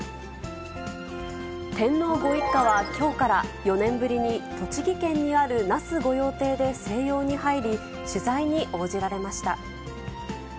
天皇ご一家はきょうから４年ぶりに栃木県にある那須御用邸で静養に入り、取材に応じられました。